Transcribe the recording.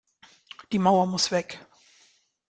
Die Mauer muss weg!